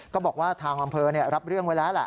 ก็บอกว่าทางอำเภอรับเรื่องไว้แล้วแหละ